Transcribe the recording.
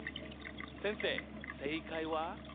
先生正解は？